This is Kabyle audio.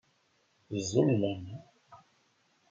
Ẓẓullen.